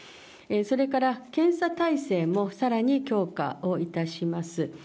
それから検査体制もさらに強化をいたします。